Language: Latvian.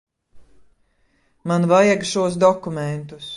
Man vajag šos dokumentus.